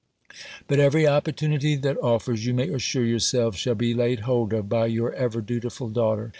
But every opportunity that offers, you may assure yourselves, shall be laid hold of by your ever dutiful daughter.